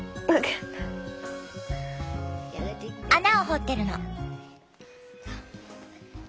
穴を掘ってるの。